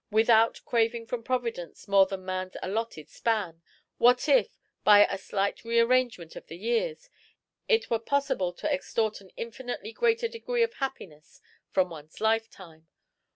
Without craving from Providence more than man's allotted span, what if, by a slight re arrangement of the years, it were possible to extort an infinitely greater degree of happiness from one's lifetime!